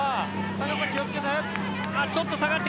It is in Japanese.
高さ気を付けて！